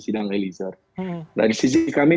sidang eliezer nah di sisi kami